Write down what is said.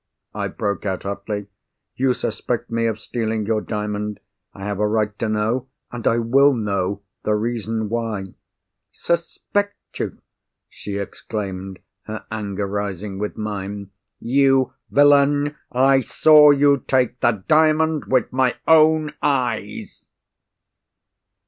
I broke out hotly. "You suspect me of stealing your Diamond. I have a right to know, and I will know, the reason why!" "Suspect you!" she exclaimed, her anger rising with mine. "_You villain, I saw you take the Diamond with my own eyes!